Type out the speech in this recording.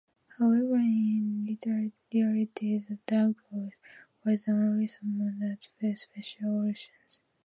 However, in reality the Danehof was only summoned at special occasions.